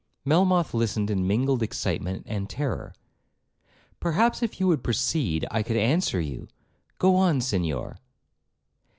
Melmoth listened in mingled excitement and terror. 'Perhaps, if you would proceed, I could answer you—go on, Senhor.'